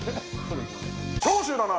長州だな。